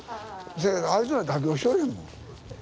せやけどあいつら妥協しよらへんもん。